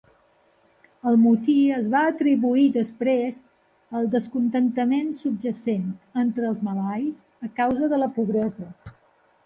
El motí es va atribuir després al descontentament subjacent entre els malais a causa de la pobresa.